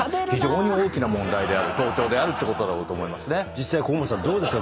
実際河本さんどうですか？